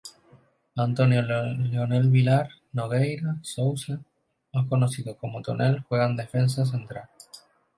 António Leonel Vilar Nogueira Sousa, más conocido como Tonel, juega de defensa central.